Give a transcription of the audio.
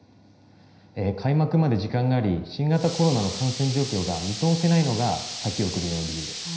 開幕まで時間があり、新型コロナの感染状況が見通せないのが先送りの理由です。